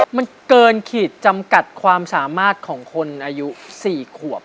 มันเกินขีดจำกัดความสามารถของคนอายุ๔ขวบ